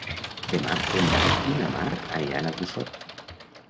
Demà en Dan i na Mar aniran a Busot.